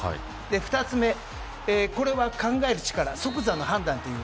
２つ目は、考える力即座の判断です。